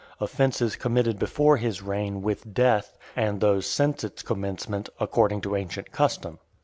offences committed before his reign, with death, and those since its commencement, according to ancient custom.